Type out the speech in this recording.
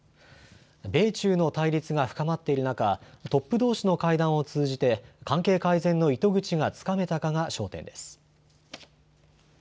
米中の対立が深まっている中、トップどうしの会談を通じて関係改善の糸口がつかめたかが焦点です。